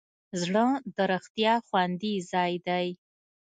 زړه د رښتیا خوندي ځای دی.